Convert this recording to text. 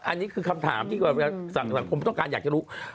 อันนี้คือคำถามที่สังคมต้องการอยากจะรู้